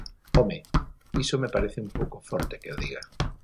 Home, iso me parece un pouco forte que o diga.